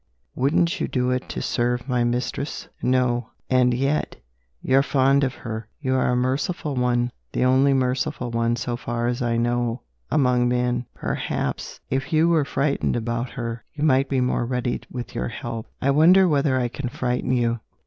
"Wouldn't you do it to serve my mistress?" "No." "And yet, you're fond of her! You are a merciful one the only merciful one, so far as I know among men. Perhaps, if you were frightened about her, you might be more ready with your help. I wonder whether I can frighten you?